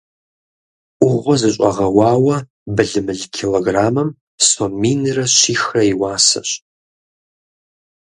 Ӏугъуэ зыщӏэгъэуауэ былымыл килограммым сом минрэ щихрэ и уасэщ.